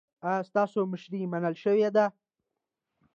ایا ستاسو مشري منل شوې ده؟